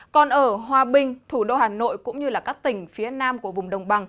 còn ở hòa bình thủ đô hà nội cũng như các tỉnh phía nam của vùng đồng bằng